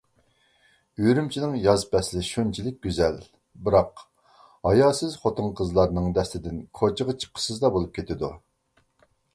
ئۈرۈمچىنىڭ ياز پەسلى شۇنچىلىك گۈزەل، بىراق ھاياسىز خوتۇن-قىزلارنىڭ دەستىدىن كوچىغا چىققۇسىزلا بولۇپ كېتىدۇ.